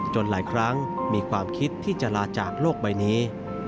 หลายครั้งมีความคิดที่จะลาจากโลกใบนี้